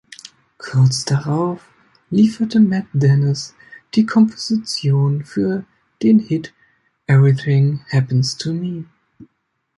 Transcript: Kurz darauf lieferte Matt Dennis die Komposition für den Hit "Everything Happens to Me".